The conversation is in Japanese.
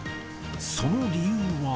その理由は。